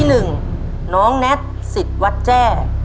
ที่หนึ่งน้องแนทศิษย์สิทธิ์วัดแจ้